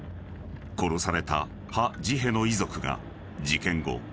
［殺されたハ・ジヘの遺族が事件後